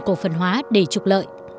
cổ phân hóa để trục lợi